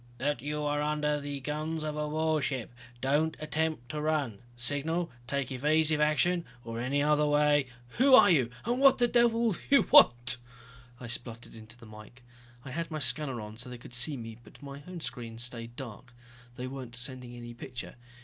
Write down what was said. "... That you are under the guns of a warship! Don't attempt to run, signal, take evasive action, or in any other way...." "Who are you and what the devil do you want?" I spluttered into the mike. I had my scanner on, so they could see me, but my own screen stayed dark. They weren't sending any picture.